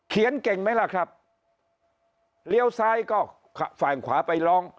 เก่งไหมล่ะครับเลี้ยวซ้ายก็ฝั่งขวาไปร้อง